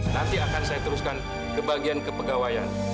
nanti akan saya teruskan ke bagian kepegawaian